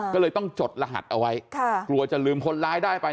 ก็เลยต้องจดรหัสเอาไว้กลัวจะลืมคนร้ายได้ไป